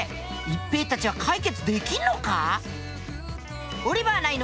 一平たちは解決できんのか！？